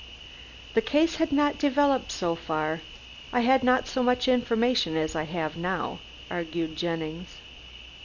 "The case had not developed so far. I had not so much information as I have now," argued Jennings.